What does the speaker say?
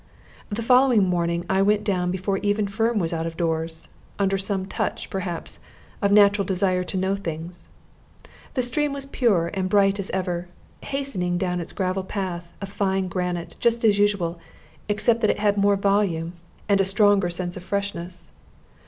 The following morning I went down before even Firm was out of doors, under some touch, perhaps, of natural desire to know things. The stream was as pure and bright as ever, hastening down its gravel path of fine granite just as usual, except that it had more volume and a stronger sense of freshness.